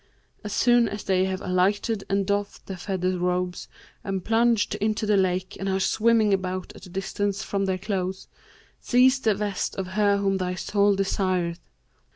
As soon as they have alighted and doffed their feather robes and plunged into the lake and are swimming about at a distance from their clothes, seize the vest of her whom thy soul desireth.